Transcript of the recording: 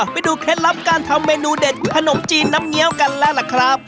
เคล็ดลับการทำเมนูเด็ดขนมจีนน้ำเงี้ยวกันแล้วล่ะครับ